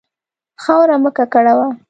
خاوره مه ککړوه.